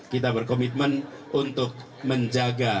kita berkomitmen untuk menjaga